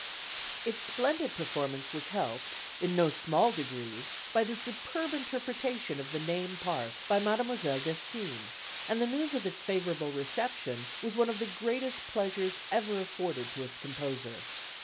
Its splendid performance was helped in no small degree by the superb interpretation of the name part by Mdme. Destinn, and the news of its favourable reception was one of the greatest pleasures ever afforded to its composer.